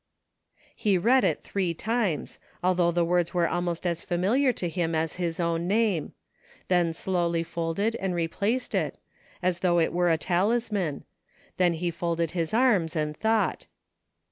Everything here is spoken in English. '" He read it three times, although the words were almost as familiar to him as his own name ; then slowly folded and replaced it, as though it were a talisman ; then he folded his arms and thought.